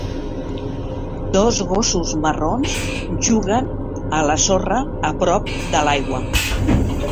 Dos gossos marrons juguen a la sorra a prop de l'aigua.